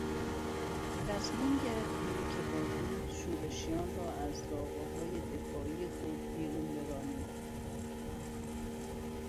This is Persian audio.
تصمیم گرفتیم که با دود شورشیان را از زاغههای دفاعی خود بیرون برانیم.